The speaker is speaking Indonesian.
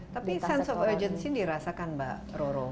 tapi sense of urgency dirasakan mbak roro